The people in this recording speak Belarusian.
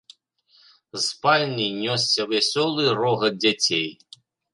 З спальні нёсся вясёлы рогат дзяцей.